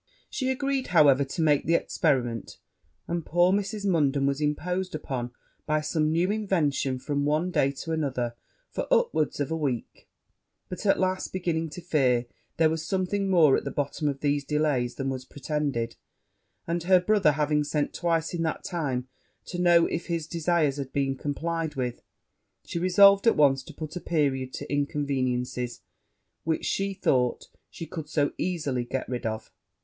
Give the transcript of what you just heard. She agreed, however, to make the experiment; and poor Mrs. Munden was imposed upon, by some new invention, from one day to another, for upwards of a week: but, at last, beginning to fear there was something more at the bottom of these delays than was pretended, and her brother having sent twice in that time to know if his desires had been complied with, she resolved at once to put a period to inconveniences which she thought she could so easily get rid of.